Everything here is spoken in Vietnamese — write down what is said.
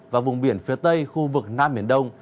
và vùng biển phía tây khu vực nam biển đông